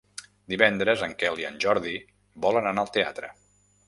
Divendres en Quel i en Jordi volen anar al teatre.